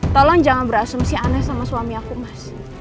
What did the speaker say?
tolong jangan berasumsi aneh sama suami aku mas